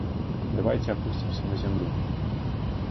Давайце апусцімся на зямлю.